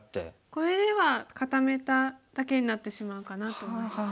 これでは固めただけになってしまうかなと思います。